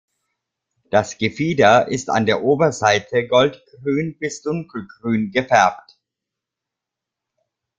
Das Gefieder ist an der Oberseite gold-grün bis dunkelgrün gefärbt.